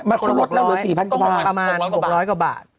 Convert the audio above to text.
มันลดแล้วละ๔๐๐๐กว่าบาท